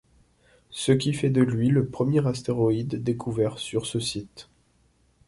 Ce qui fait de lui le premier astéroïde découvert sur ce site.